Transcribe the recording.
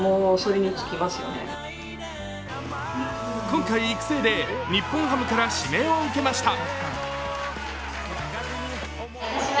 今回育成で日本ハムから指名を受けました。